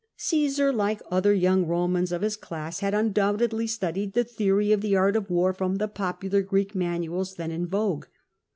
Caesar, like other young Eomans of his class, had undoubtedly studied the theory of the art of war from the popular Greek manuals then in vogue.